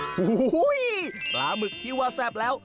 โอ้โหปลาหมึกที่ว่าแซ่บแล้ว